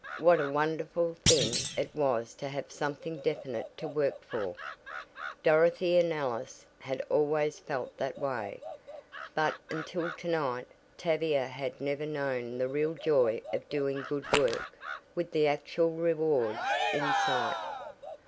What a wonderful thing it was to have something definite to work for! Dorothy and Alice had always felt that way, but until to night Tavia had never known the real joy of doing good work, with the actual reward in sight.